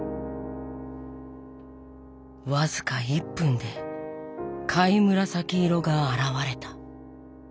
僅か１分で貝紫色が現れた。